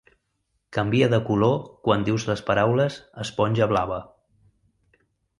Canvia de color quan dius les paraules "esponja blava".